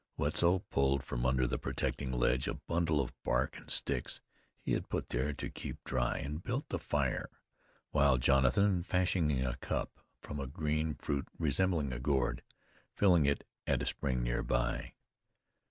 Wetzel pulled from under the protecting ledge a bundle of bark and sticks he had put there to keep dry, and built a fire, while Jonathan fashioned a cup from a green fruit resembling a gourd, filling it at a spring near by.